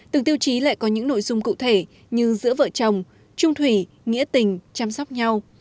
từng tiêu chí lại có những nội dung cụ thể như giữa vợ chồng trung thủy nghĩa tình chăm sóc nhau